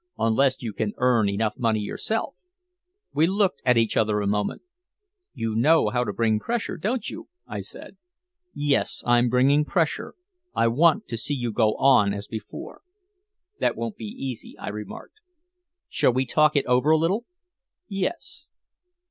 "Unless you can earn enough money yourself." We looked at each other a moment. "You know how to bring pressure, don't you?" I said. "Yes, I'm bringing pressure. I want to see you go on as before." "That won't be easy," I remarked. "Shall we talk it over a little?" "Yes."